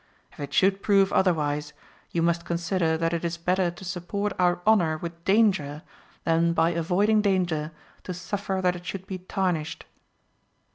If it should prove otherwise, you must consider that it is better to support our honour with danger, than by avoiding danger to suffer that it should be tarnished.